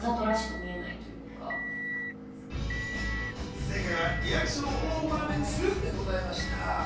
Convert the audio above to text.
正解は、リアクションはオーバーめにするでございました。